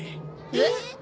えっ！？